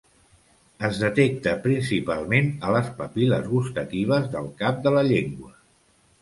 Es detecta principalment a les papil·les gustatives del cap de la llengua.